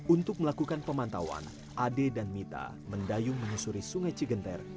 untuk melakukan pemantauan ade dan mita mendayung menyusuri sungai cigenter